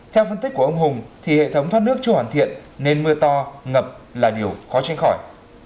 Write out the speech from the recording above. theo phân tích của ông hùng thì hệ thống thoát nước chưa hoàn thiện nên mưa to ngập là điều khó tránh khỏi